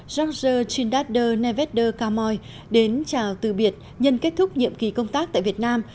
jean gilles trindade nevette de camoy đến chào từ biệt nhân kết thúc nhiệm kỳ công tác tại việt nam